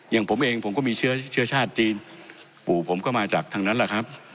อย่างผมเองผมก็มีเชื้อเชื้อชาติจีนปู่ผมก็มาจากทางนั้นแหละครับ